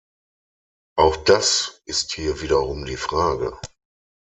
Auch das ist hier wiederum die Frage.